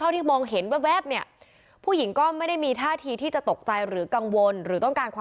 ถึงแม่งจะหันไปแล้วบอก